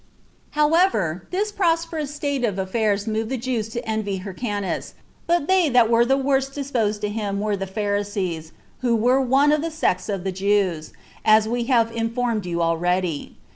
5. However, this prosperous state of affairs moved the Jews to envy Hyrcanus; but they that were the worst disposed to him were the Pharisees, 28 who were one of the sects of the Jews, as we have informed you already.